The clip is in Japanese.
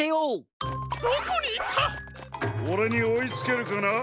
オレにおいつけるかな？